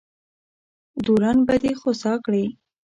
درون به دې خوسا کړي.